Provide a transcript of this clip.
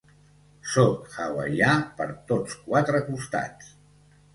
Sóc hawaià per tots quatre costats.